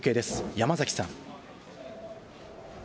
山崎さん。